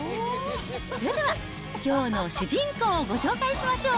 それでは、きょうの主人公、ご紹介しましょう。